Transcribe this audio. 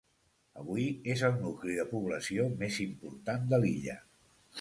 Avui és el nucli de població més important de l'illa.